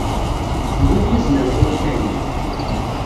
Yuba ad yazen alɣu i Kahina.